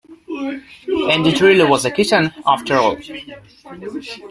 And it really was a kitten, after all.